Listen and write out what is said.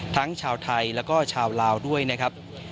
ทั้งชาวไทยแล้วก็ชาวลาวด้วยนะครับ